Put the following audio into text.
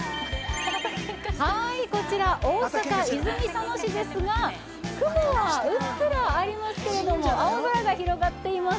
こちら大阪、泉佐野市ですが雲はうっすらありますけれども青空が広がっています。